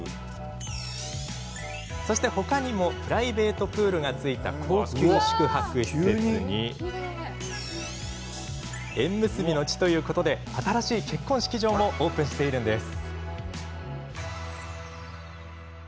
そして他にもプライベートプールがついた高級宿泊施設に縁結びの地ということで新しい結婚式場もオープンしているんです。